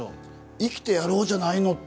生きてやろうじゃないの！